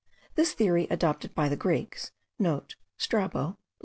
This theory, adopted by the Greeks,* (* Strabo, liv.